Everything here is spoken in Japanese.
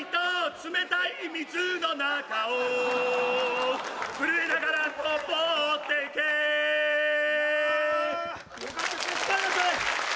冷たい水の中をふるえながらのぼってゆけよかったですね！